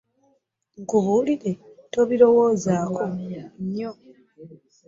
Nkubuulire tobirowozaako nnyo.